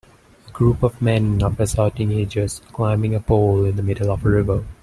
A group of men of assorting ages, climbing a pole in the middle of a river.